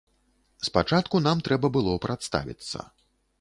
Спачатку нам трэба было прадставіцца.